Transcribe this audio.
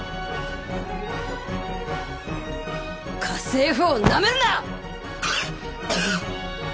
家政婦をナメるな！